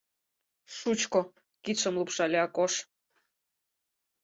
— Шучко, — кидшым лупшале Акош.